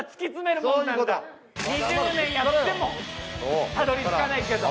２０年やってもたどり着かないけど。